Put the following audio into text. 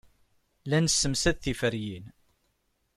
La nessemsad tiferyin.